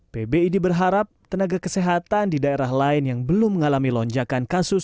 pbid berharap tenaga kesehatan di daerah lain yang belum mengalami lonjakan kasus